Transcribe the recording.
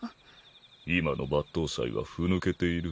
今の抜刀斎はふ抜けている。